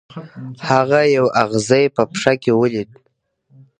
هغه یو اغزی په پښه کې ولید.